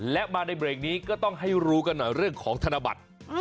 และมาในเบรกนี้ก็ต้องให้รู้กันหน่อยเรื่องของธนบัตร